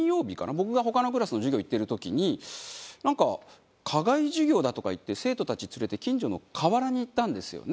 僕が他のクラスの授業に行ってる時になんか「課外授業だ」とか言って生徒たち連れて近所の河原に行ったんですよね？